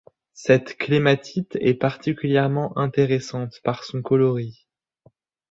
Cette clématite est particulièrement intéressante par son coloris.